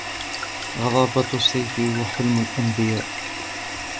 غضبة السيف وحلم الأنبياء